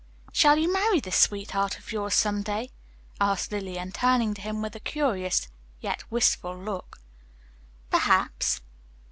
"Shall you marry this sweetheart of yours someday?" asked Lillian, turning to him with a curious yet wistful look. "Perhaps."